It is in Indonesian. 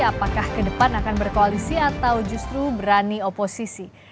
apakah ke depan akan berkoalisi atau justru berani oposisi